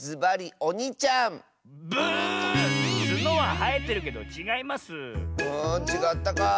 あちがったか。